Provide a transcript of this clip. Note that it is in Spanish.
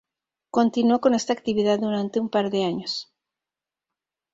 Continuó con esta actividad durante un par de años.